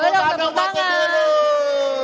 tolong tanggung jawab tim biru